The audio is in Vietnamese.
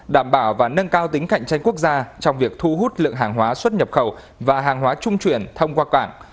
đảm bảo và nâng cao tính cạnh tranh quốc gia trong việc thu hút lượng hàng hóa xuất nhập khẩu và hàng hóa trung chuyển thông qua cảng